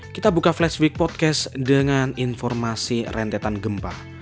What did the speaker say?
kita buka flashweek podcast dengan informasi rentetan gempa